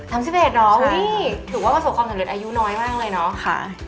นี่ถือว่าประสบความสำเร็จอายุน้อยมากเลยเนาะค่ะ